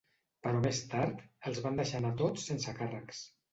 Però més tard, els van deixar anar a tots sense càrrecs.